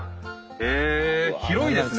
広いですね。